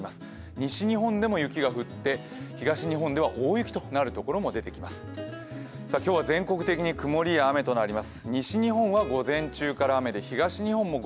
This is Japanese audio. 西日本でも雪が降って東日本では大雪となるところも増えていきます。